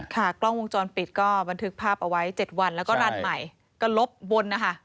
กล้องวงจรปิดก็บันทึกภาพเอาไว้๗วันแล้วก็รันใหม่ก็ลบบนนะคะ